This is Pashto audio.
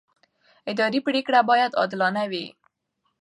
اداري پرېکړه باید عادلانه وي.